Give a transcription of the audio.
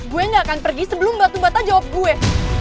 gue gak akan pergi sebelum batu bata jawab gue